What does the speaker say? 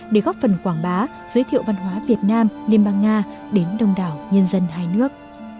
để góp phần quảng bá giới thiệu văn hóa việt nam liên bang nga đến đông đảo nhân dân hai nước